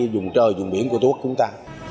đồng biển của tổ quốc chúng ta